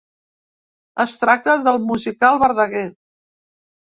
Es tracta del musical Verdaguer.